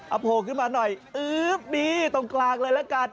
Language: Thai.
อัพโหลขึ้นมาหน่อยตรงกลางเลยละกัด